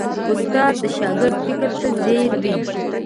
استاد د شاګرد فکر ته ځیر وي.